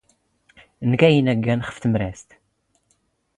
ⵏⴳⴰ ⵉⵏⴰⴳⴰⵏ ⴼ ⵜⵎⵙⴰⵔⵜ.